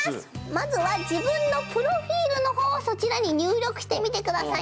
まずは自分のプロフィールのほうをそちらに入力してみてください